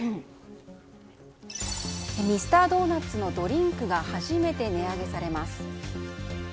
ミスタードーナツのドリンクが初めて値上げされます。